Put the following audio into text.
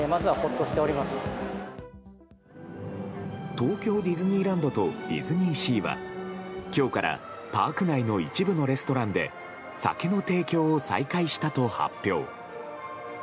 東京ディズニーランドとディズニーシーは今日からパーク内の一部のレストランで酒の提供を再開したと発表。